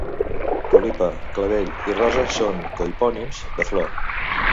Tulipa, clavell i rosa són cohipònims de flor.